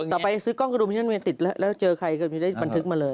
ต่อไปซื้อกล้องกระดุมที่มันมีติดแล้วเจอใครก็จะได้บันทึกมาเลย